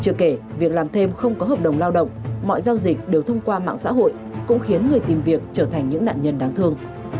chưa kể việc làm thêm không có hợp đồng lao động mọi giao dịch đều thông qua mạng xã hội cũng khiến người tìm việc trở thành những nạn nhân đáng thương